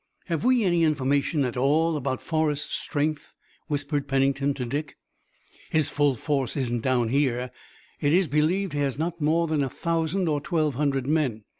"Have we any information at all about Forrest's strength?" whispered Pennington to Dick. "His full force isn't down here. It is believed he has not more than a thousand or twelve hundred men.